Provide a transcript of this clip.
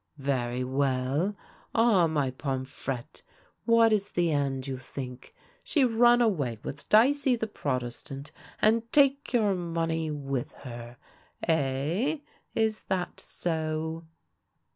Very well. Ah, my Pomfrette, Avhat is the end you think? She run away with Dicey the Protestant, and take your money with her. Eh, is that so?"